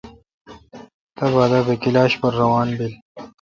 تے باگ دا بہ کلاش پر روان بیل۔